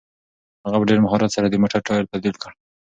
هغه په ډېر مهارت سره د موټر ټایر تبدیل کړ.